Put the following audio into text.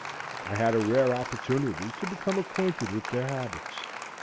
I had a rare opportunity to become acquainted with their habits.